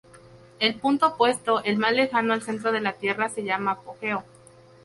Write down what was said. El punto opuesto, el más lejano al centro de la Tierra, se llama apogeo.